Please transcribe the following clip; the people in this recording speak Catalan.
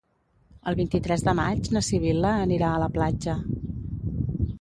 El vint-i-tres de maig na Sibil·la anirà a la platja.